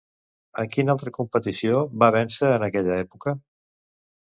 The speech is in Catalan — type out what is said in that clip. En quina altra competició va vèncer en aquella època?